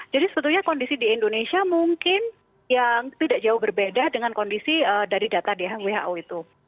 jadi sebetulnya kondisi di indonesia mungkin yang tidak jauh berbeda dengan kondisi dari data who itu